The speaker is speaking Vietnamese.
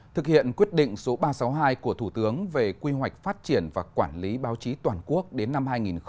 thực hiện quyết định số ba trăm sáu mươi hai của thủ tướng về quy hoạch phát triển và quản lý báo chí toàn quốc đến năm hai nghìn ba mươi